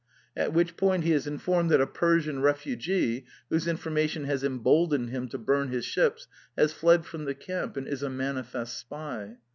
At which point he is informed that a Persian refugee, whose information has emboldened him to burn his ships, has fled from the camp and is a manifest spy.